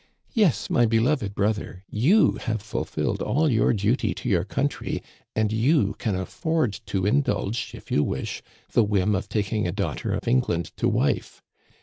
Yes, my beloved brother, you have fulfilled all your duty to your country, and you can afford to in dulge, if you wish, the whim of taking a daughter of England to wife.